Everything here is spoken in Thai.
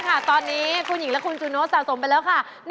ค่ะตอนนี้คุณหญิงและคุณจูโน้ตสะสมไปแล้วค่ะ